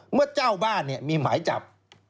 เมื่อเจ้าบ้านมีหมายจับ